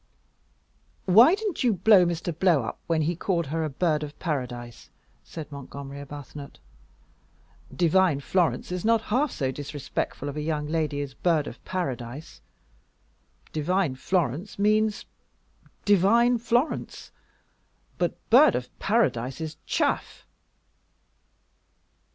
"Why didn't you blow Mr. Blow up when he called her a Bird of Paradise?" said Montgomery Arbuthnot. "Divine Florence is not half so disrespectful of a young lady as Bird of Paradise. Divine Florence means divine Florence, but Bird of Paradise is chaff."